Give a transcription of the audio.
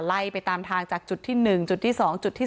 ไล่ไปตามทางจากจุดที่๑จุดที่๒จุดที่๑